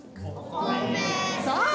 そう！